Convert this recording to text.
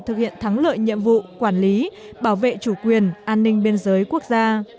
thực hiện thắng lợi nhiệm vụ quản lý bảo vệ chủ quyền an ninh biên giới quốc gia